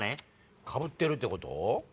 かぶってるってこと？